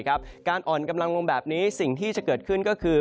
การอ่อนกำลังลงแบบนี้สิ่งที่จะเกิดขึ้นก็คือ